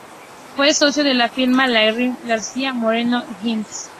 Fue socio de la firma Larraín García Moreno Hnos.